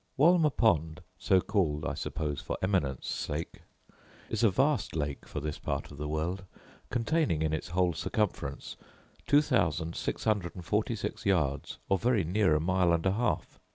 Wolmer Pond, so called, I suppose, for eminence sake, is a vast lake for this part of the world, containing, in its whole circumference, 2,646 yards, or very near a mile and a half.